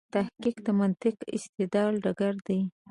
تحقیق د منطق او استدلال ډګر دی.